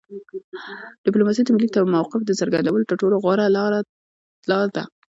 ډیپلوماسي د ملي موقف د څرګندولو تر ټولو غوره لار ده